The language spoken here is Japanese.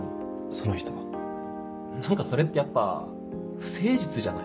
その人何かそれってやっぱ不誠実じゃない？